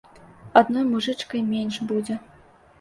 Адной мужычкай менш будзе.